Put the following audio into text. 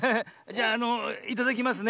じゃあのいただきますね。